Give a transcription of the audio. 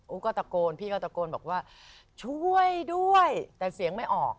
ก็ตะโกนพี่ก็ตะโกนบอกว่าช่วยด้วยแต่เสียงไม่ออก